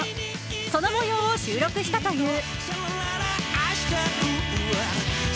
その模様を収録したという。